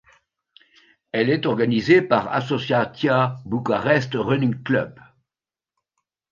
Elle est organisée par Asociația Bucharest Running Club.